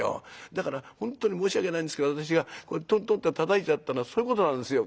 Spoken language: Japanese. だから本当に申し訳ないんですけど私がトントンってたたいちゃったのはそういうことなんですよ。